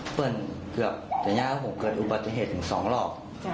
เพื่อนเกือบในย้าผมเกิดอุบัติเหตุถึงสองรอบ